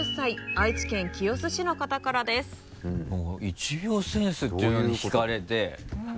「１秒センス」っていうのにひかれて。